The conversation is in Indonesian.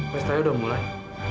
pesta nya udah mulai